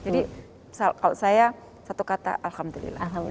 jadi kalau saya satu kata alhamdulillah